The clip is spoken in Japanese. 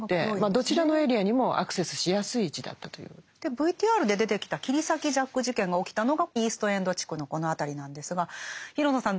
ＶＴＲで出てきた切り裂きジャック事件が起きたのがイースト・エンド地区のこの辺りなんですが廣野さん